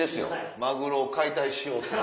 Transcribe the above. マグロを解体しようと。